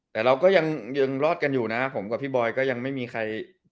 แต่เราก็ยังรอดกันอยู่นะผมกับพี่บอยก็ยังไม่มีใคร